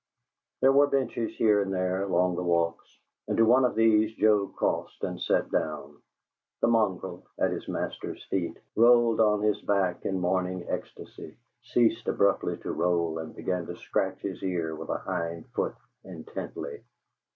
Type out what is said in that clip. There were benches here and there along the walks, and to one of these Joe crossed, and sat down. The mongrel, at his master's feet, rolled on his back in morning ecstasy, ceased abruptly to roll and began to scratch his ear with a hind foot intently.